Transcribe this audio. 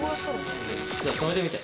じゃあ止めてみて。